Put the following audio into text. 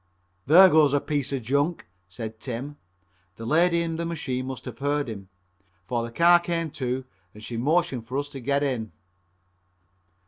"There goes a piece of junk," said Tim. The lady in the machine must have heard him, for the car came to and she motioned for us to get in.